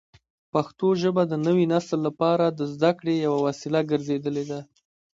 پښتو ژبه د نوي نسل لپاره د زده کړې یوه وسیله ګرځېدلې ده.